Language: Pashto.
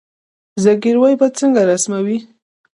زګیروي به څنګه رسموي